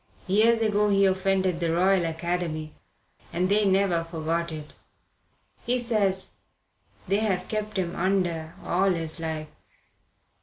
Years ago he offended the Royal Academy, and they never forgot it. He says they've kept him under all his life.